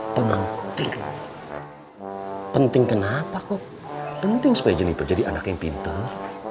penting supaya jenipan jadi anak yang pintar